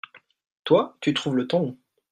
toi, tu trouves le temps long.